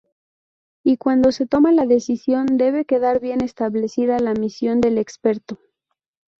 Y cuando se toma la decisión, debe quedar bien establecida la misión del experto.